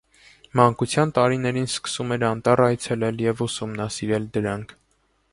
Մանկության տարիներին սիրում էր անտառ այցելել և ուսումնասիրել դրանք։